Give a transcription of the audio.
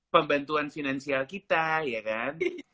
pembantuan finansial kita ya kan